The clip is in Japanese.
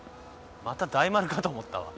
また大丸かと思ったわ。